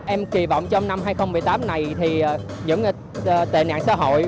em kỳ vọng trong năm hai nghìn một mươi tám này thì những tệ nạn xã hội